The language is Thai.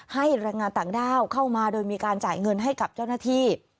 แรงงานต่างด้าวเข้ามาโดยมีการจ่ายเงินให้กับเจ้าหน้าที่